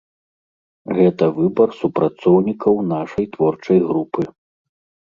Гэта выбар супрацоўнікаў нашай творчай групы.